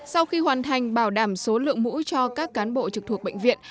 sau khi hoàn thành bảo đảm số lượng mũ cho các cán bộ trực thuộc bệnh viện